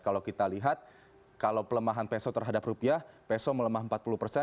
kalau kita lihat kalau pelemahan peso terhadap rupiah peso melemah empat puluh persen